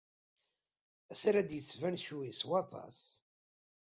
Ass-a la d-yettban ccwi s waṭas.